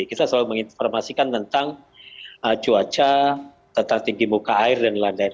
kita selalu menginformasikan tentang cuaca tentang tinggi muka air dan lain lain